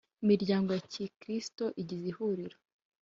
imiryango ya gikirisito igize ihuriro